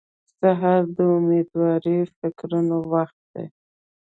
سهار د امېدوار فکرونو وخت دی.